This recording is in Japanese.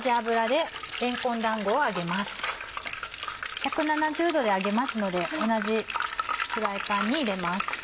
１７０℃で揚げますので同じフライパンに入れます。